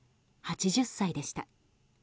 ８０歳でした。